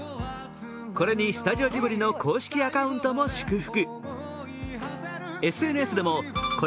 これにスタジオジブリの公式アカウントも祝福。